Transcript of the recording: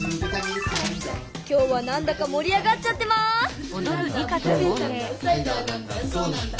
今日はなんだかもり上がっちゃってます！